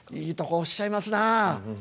いいとこおっしゃいますなあ。